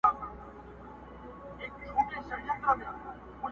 چي پر سر باندي یې واوري اوروي لمن ګلونه؛